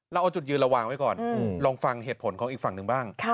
เอาจุดยืนเราวางไว้ก่อนลองฟังเหตุผลของอีกฝั่งหนึ่งบ้าง